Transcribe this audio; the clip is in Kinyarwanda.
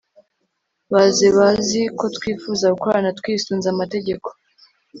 baze bazi ko twifuza gukorana twisunze amategeko